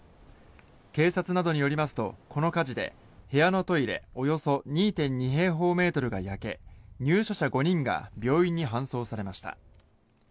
警察などによりますとこの火事で部屋のトイレおよそ２．２平方メートルが焼け入所者５人が病院に搬送されました。